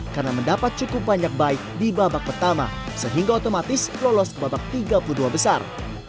karena mendapat cukup banyak buy di babak pertama sehingga otomatis lolos ke babak tiga puluh dua besar